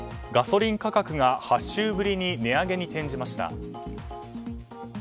ガソリン価格が８週ぶりに値上げに転じました。